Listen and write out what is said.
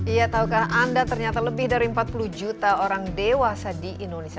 iya tahukah anda ternyata lebih dari empat puluh juta orang dewasa di indonesia